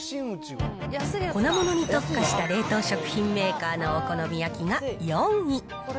粉ものに特化した冷凍食品メーカーのお好み焼きが４位。